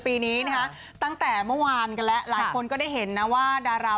ปีนี้นะคะตั้งแต่เมื่อวานกันแล้วหลายคนก็ได้เห็นนะว่าดารา